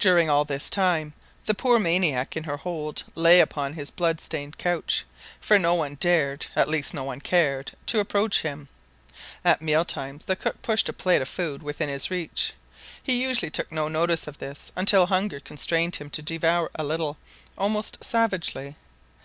During all this time the poor maniac in her hold lay upon his blood stained couch, for no one dared at least no one cared to approach him. At meal times the cook pushed a plate of food within his reach. He usually took no notice of this until, hunger constrained him to devour a little, almost savagely.